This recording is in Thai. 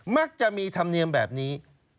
มักจะมีธรรมเนียมแบบนี้